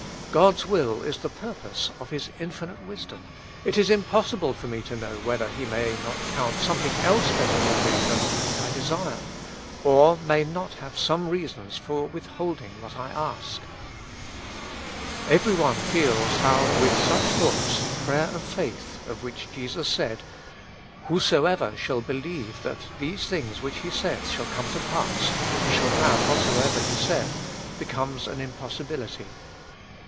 God's will is the pur pose of His infinite wisdom : it is impossible for me to know whether He may not count something else better for me than what I desire, or may not have some reasons for withholding what I ask. '' Every one 235 With Christ in the School of Prayer. feels how with such thoughts the prayer of faith, of which Jesus said, "Whosoever shall believe that these things which he saith shall come to pass, he shall have whatsoever \\q saith," becomes an impos sibility.